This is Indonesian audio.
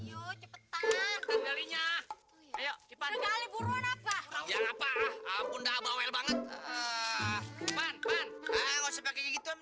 ayo cepetan kalinya ayo kita kali buruan abah yang apa ah ampun dah bawa banget